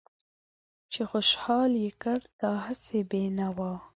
چې خوشحال يې کړ دا هسې بې نوا